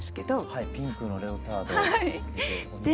はいピンクのレオタードで。